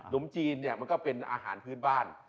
มจีนเนี่ยมันก็เป็นอาหารพื้นบ้าน